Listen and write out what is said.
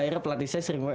akhirnya pelatih saya sering